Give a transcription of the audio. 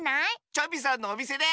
チョビさんのおみせで！